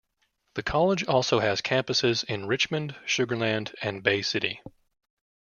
The college also has campuses in Richmond, Sugar Land, and Bay City.